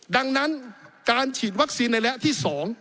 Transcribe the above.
ดังนั้นการฉีดวัคซีนในระยะที่๒